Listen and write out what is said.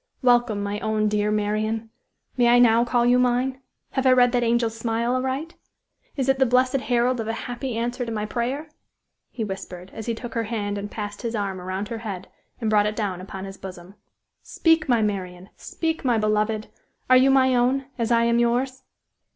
Welcome, my own, dear Marian! May I now call you mine? Have I read that angel smile aright? Is it the blessed herald of a happy answer to my prayer?" he whispered, as he took her hand and passed his arm around her head and brought it down upon his bosom. "Speak, my Marian! Speak, my beloved! Are you my own, as I am yours?"